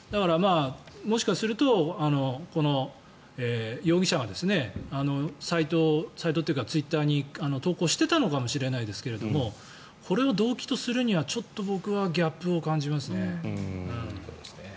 もしかすると、この容疑者がサイトというかツイッターに投稿していたのかもしれないですけどこれを動機とするには、ちょっと僕はギャップを感じますね。